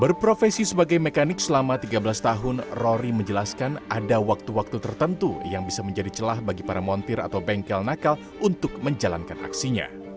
berprofesi sebagai mekanik selama tiga belas tahun rory menjelaskan ada waktu waktu tertentu yang bisa menjadi celah bagi para montir atau bengkel nakal untuk menjalankan aksinya